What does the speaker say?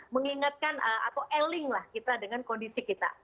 mengingatkan atau ailing kita dengan kondisi kita